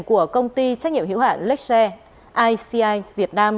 của công ty trách nhiệm hữu hạn lecce ici việt nam